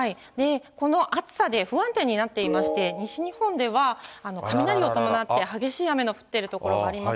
この暑さで不安定になっていまして、西日本では、雷を伴って激しい雨の降っている所があります。